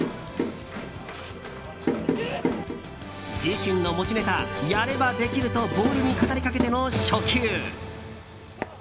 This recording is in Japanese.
自身の持ちネタやればできる！とボールに語りかけての初球。